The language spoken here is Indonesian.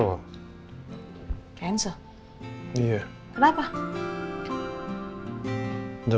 cancel iya kenapa